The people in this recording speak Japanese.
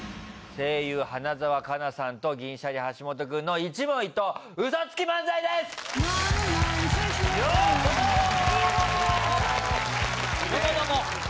声優、花澤香菜さんと銀シャリ・橋本君の一問一答ウソつき漫才です。